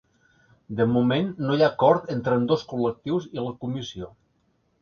De moment no hi ha acord entre ambdós col·lectius i la Comissió.